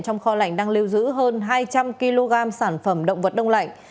hai trăm linh kg sản phẩm động vật đông lạnh